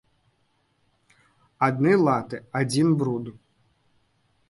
Адны латы, адзін бруд!